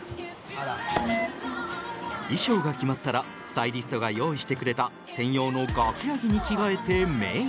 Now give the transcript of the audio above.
衣装が決まったらスタイリストが用意してくれた専用の楽屋着に着替えてメイク。